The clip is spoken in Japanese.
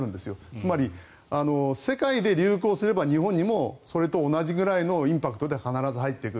つまり、世界で流行すれば日本にもそれと同じぐらいのインパクトで必ず入ってくる。